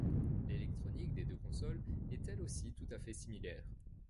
L'électronique des deux consoles est elle aussi tout à fait similaire.